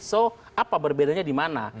so apa berbedanya di mana